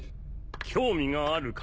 ・興味があるか？